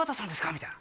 みたいな。